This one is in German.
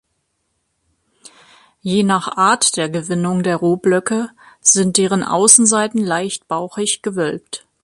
Je nach Art der Gewinnung der Rohblöcke sind deren Außenseiten leicht bauchig gewölbt.